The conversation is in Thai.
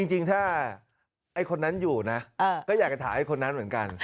จริงถ้าไอ้คนนั้นอยู่นะก็อยากจะถามไอ้คนนั้นเหมือนกัน